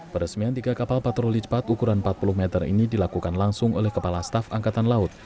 peresmian tiga kapal patroli cepat ukuran empat puluh meter ini dilakukan langsung oleh kepala staf angkatan laut